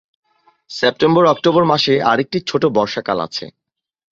সেপ্টেম্বর-অক্টোবর মাসে আরেকটি ছোট বর্ষাকাল আছে।